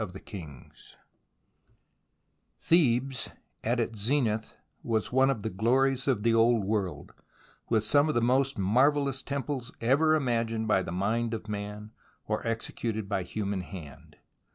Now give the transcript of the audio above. CHAPTER VII THEBES at its zenith was one of the glories of the old world, with some of the most marvellous temples ever imagined by the mind of man or executed by human hand.